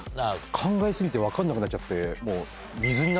考え過ぎて分かんなくなっちゃって。